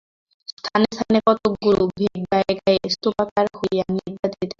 স্থানে স্থানে কতকগুলা ভেক গায়ে গায়ে স্তূপাকার হইয়া নিদ্রা দিতেছে।